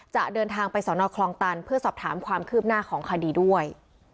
จะเดินทางไปสอนอคลองตันเพื่อสอบถามความคืบหน้าของคดีด้วย